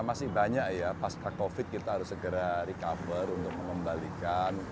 masih banyak ya pasca covid kita harus segera recover untuk mengembalikan